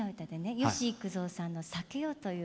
吉幾三さんの「酒よ」という。